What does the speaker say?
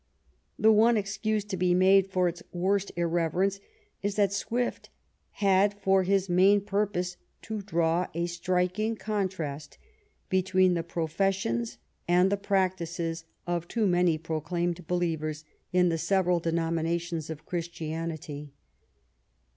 The one excuse to be made for its worst irreverence is that Swift had for his main purpose to draw a striking contrast between the professions and the practices of too many proclaimed believers in the several denominations of 238 JONATHAN SWIFT Christianity.